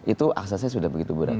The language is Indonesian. itu aksesnya sudah begitu berat